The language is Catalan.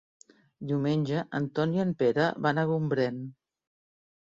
Diumenge en Ton i en Pere van a Gombrèn.